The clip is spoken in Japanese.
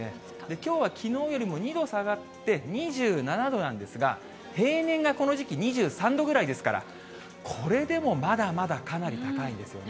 きょうはきのうよりも２度下がって、２７度なんですが、平年がこの時期、２３度ぐらいですから、これでもまだまだかなり高いですよね。